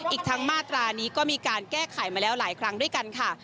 อีกทั้งมาตรานี้ก็มีการแก้ไขมาแล้วหลายครั้งด้วยกันค่ะ